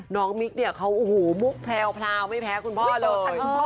น้องมิคมูกแผลวไม่แพ้คุณพ่อเลย